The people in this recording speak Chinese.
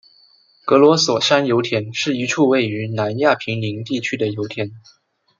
格罗索山油田是一处位于南亚平宁地区的油田。